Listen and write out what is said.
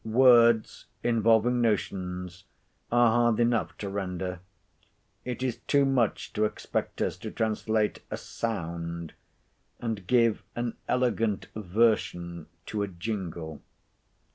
Words, involving notions, are hard enough to render; it is too much to expect us to translate a sound, and give an elegant version to a jingle.